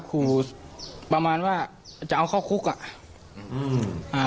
คุยประมาณว่าจะเอาเข้าคุกอ่ะ